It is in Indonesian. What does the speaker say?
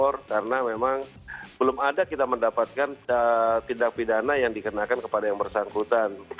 karena memang belum ada kita mendapatkan tindak pidana yang dikenakan kepada yang bersangkutan